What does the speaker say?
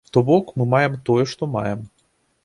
То бок, мы маем тое, што маем.